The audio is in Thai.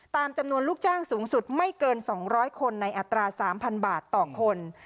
ตามจำนวนลูกจ้างสูงสุดไม่เกิน๒๐๐คนในอัตรา๓๐๐บาทต่อคน